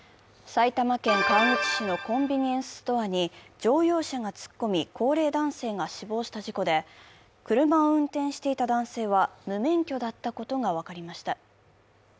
埼玉県川口市のコンビニエンスストアに乗用車が突っ込み、高齢男性が死亡した事故で車を運転していた男性は無免許だったことが分かりました。